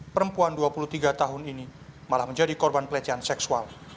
perempuan dua puluh tiga tahun ini malah menjadi korban pelecehan seksual